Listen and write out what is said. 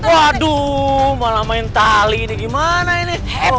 waduh malah main tali ini gimana ini